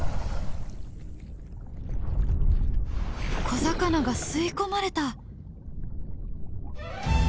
小魚が吸い込まれた！